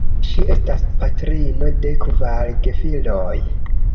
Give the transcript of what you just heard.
Ŝi estas patrino de kvar gefiloj.